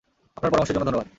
আপনার পরামর্শের জন্য ধন্যবাদ।